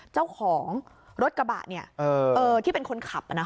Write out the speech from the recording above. เจ้าของรถกระบะที่เป็นคนขับ